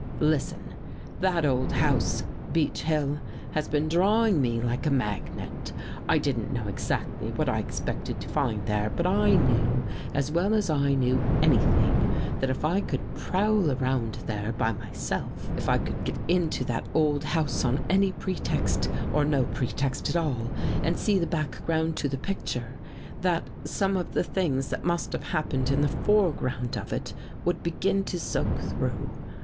" Listen ! That old house — Beach Hill — has been drawing me like a magnet. I didn't know exactly what I ex pected to find there, but I knew, as well as I knew anything, that if I could prowl around there by my self — if I could get into that old house on any pretext, or on no pretext at all, and see the back ground to the picture, that some of the things that must have happened in the foreground of it would begin to soak through.